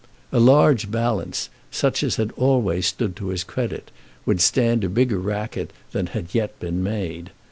A large balance, such as had always stood to his credit, would stand a bigger racket than had yet been made.